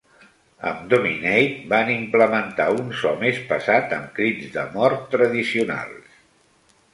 Amb "Dominate" van implementar un so més pesat amb crits de mort tradicionals.